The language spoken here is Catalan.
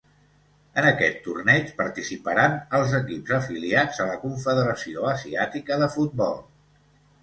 En aquest torneig participaran els equips afiliats a la Confederació Asiàtica de Futbol.